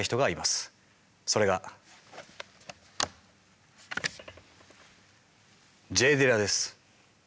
それがＪ・ディラです。